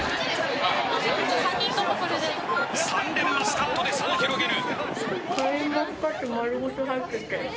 ３連マスカットで差を広げる。